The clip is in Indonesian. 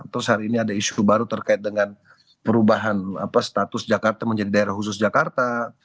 terus hari ini ada isu baru terkait dengan perubahan status jakarta menjadi daerah khusus jakarta